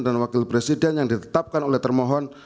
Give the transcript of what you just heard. dan wakil presiden yang ditetapkan oleh termohon